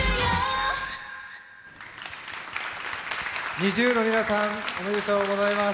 ＮｉｚｉＵの皆さんおめでとうございます。